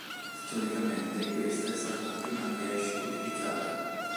Storicamente questa è stata la prima cache utilizzata.